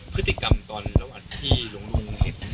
พฤติกรรมตอนระหว่างที่หลวงลุงเห็น